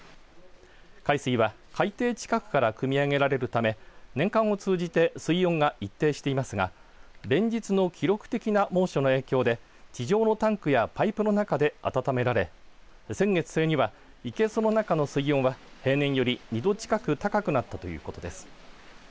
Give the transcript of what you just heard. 海水は海底近くからくみ上げられるため年間を通じて水温が一定していますが連日の記録的な猛暑の影響で地上のタンクやパイプの中で温められ先月末には生けすの中の水温は平年より２度近く高くなったということです。